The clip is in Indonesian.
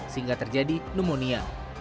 sehingga terjadi pneumonia